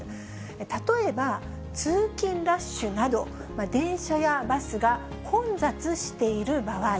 例えば、通勤ラッシュなど、電車やバスが混雑している場合。